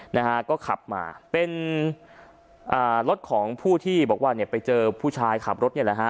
นะฮะก็ขับมาเป็นอ่ารถของผู้ที่บอกว่าเนี่ยไปเจอผู้ชายขับรถเนี่ยแหละฮะ